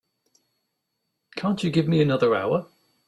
Can't you give me another hour?